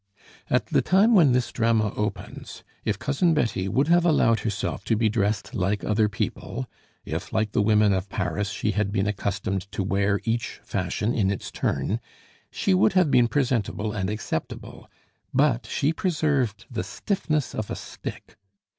At the time when this Drama opens, if Cousin Betty would have allowed herself to be dressed like other people; if, like the women of Paris, she had been accustomed to wear each fashion in its turn, she would have been presentable and acceptable, but she preserved the stiffness of a stick.